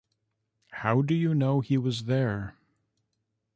How do you know he was there?